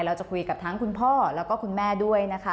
เราจะคุยกับคุณพ่อกับคุณแม่ด้วย